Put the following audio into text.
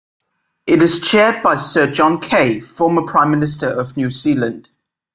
It is chaired by Sir John Key, former Prime Minister of New Zealand.